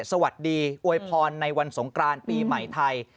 สวัสดีอวยพรในวันสงกรานปีใหม่ไทย